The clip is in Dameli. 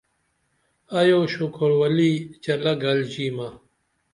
ائی یو شوکُھر ولی چٰلہ گل ژیمہ